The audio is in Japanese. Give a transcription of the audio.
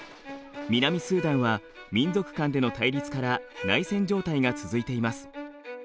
南スーダンは民族間での対立から内戦状態が続いています。